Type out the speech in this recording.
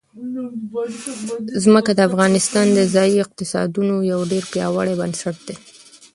ځمکه د افغانستان د ځایي اقتصادونو یو ډېر پیاوړی بنسټ دی.